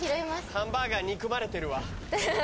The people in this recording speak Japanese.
ハンバーガー憎まれてるわ。